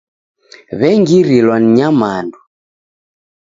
W'engirilwa ni nyamandu.